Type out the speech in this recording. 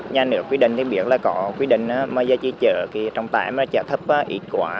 nhà nước quy định biết là có quy định giá trị chở trong tải mà chở thấp ít quá